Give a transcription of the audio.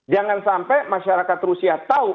jangan sampai masyarakat rusia tahu